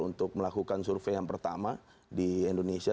untuk melakukan survei yang pertama di indonesia